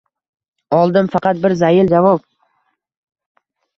Oldim faqat bir zayil javob